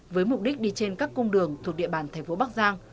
với mục đích đi trên các cung đường thuộc địa bàn thành phố bắc giang